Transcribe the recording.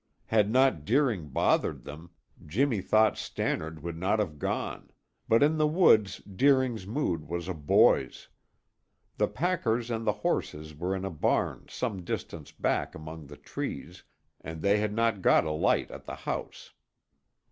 Had not Deering bothered them, Jimmy thought Stannard would not have gone, but in the woods Deering's mood was a boy's. The packers and the horses were in a barn some distance back among the trees, and they had not got a light at the house.